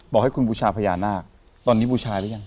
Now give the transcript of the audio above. ให้คุณบูชาพญานาคตอนนี้บูชาหรือยัง